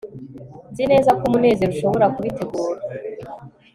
nzi neza ko munezero ashobora kubitegura